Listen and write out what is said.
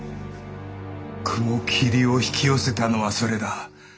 雲霧を引き寄せたのはそれだ。